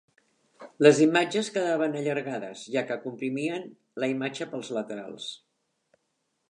Les imatges quedaven allargades, ja que comprimien la imatge pels laterals.